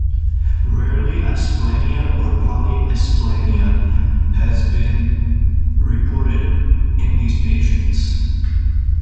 Rarely, asplenia or polysplenia has been reported in these patients.